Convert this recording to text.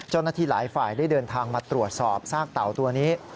เจ้าหน้าที่หลายฝ่ายได้เดินทางมาตรวจสอบซากเต่าตัวนี้